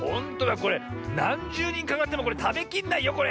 これなんじゅうにんかかってもこれたべきれないよこれ。